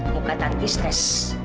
muka tanti stres